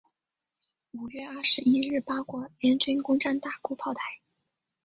五月二十一日八国联军攻战大沽炮台。